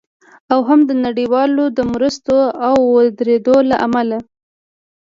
او هم د نړیوالو د مرستو د ودریدو له امله